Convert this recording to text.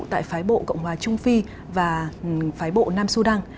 tại phái bộ cộng hòa trung phi và phái bộ nam sudan